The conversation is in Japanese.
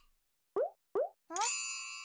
うん？